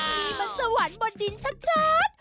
มีบนสวรรค์บนดินชัด